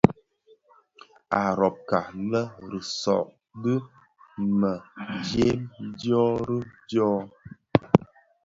A robka lë risoo di mëdyëm dyô rì dyô.